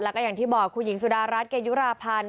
แล้วก็อย่างที่บอกคุณหญิงสุดารัฐเกยุราพันธ์